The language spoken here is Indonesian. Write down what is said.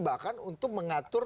bahkan untuk mengatur